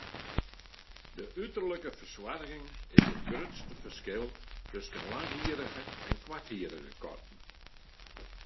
De uterlike fersoarging is it grutste ferskil tusken langhierrige en koarthierrige katten.